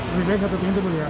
lebih baik satu pintu boleh ya